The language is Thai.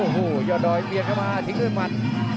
โอ้โหยอดดอยเบียนเข้ามาทิ้งด้วยมัน